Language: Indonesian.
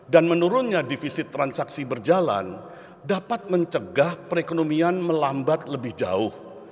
dan menurunnya divisi transaksi berjalan dapat mencegah perekonomian melambat lebih jauh